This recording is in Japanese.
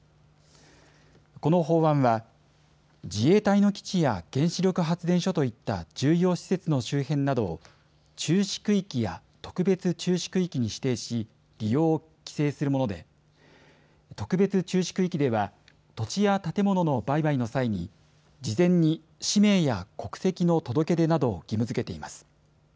この法案は自衛隊の基地や原子力発電所といった重要施設の周辺などを注視区域や特別注視区域に指定し、利用を規制するもので特別注視区域では土地や建物の売買の際に事前に氏名や国籍の届け出などを義務づけています。